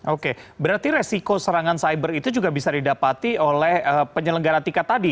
oke berarti resiko serangan cyber itu juga bisa didapati oleh penyelenggara tiket tadi